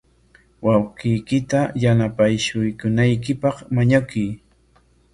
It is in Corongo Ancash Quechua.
Wawqiykita yanapashunaykipaq mañakuy.